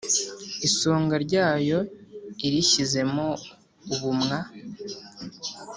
Isonga ryayo irishyizemo ubumwa,